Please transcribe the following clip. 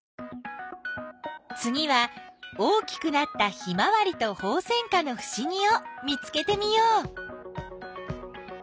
つぎは大きくなったヒマワリとホウセンカのふしぎを見つけてみよう。